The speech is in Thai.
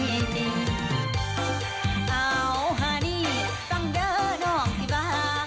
อ้าวฮานี่ฟังเด้อน้องที่บ้า